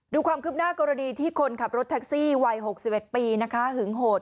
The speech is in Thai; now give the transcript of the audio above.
ดูความคืบหน้ากรณีที่คนขับรถแท็กซี่วัย๖๑ปีนะคะหึงโหด